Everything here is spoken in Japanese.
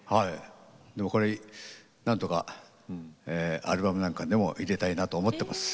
これ何とかアルバムなんかにでも入れたいなと思ってます。